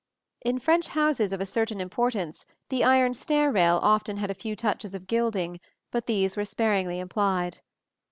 In French houses of a certain importance the iron stair rail often had a few touches of gilding, but these were sparingly applied.